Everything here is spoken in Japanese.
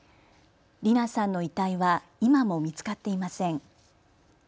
理奈さんの遺体は今も見つかっていません。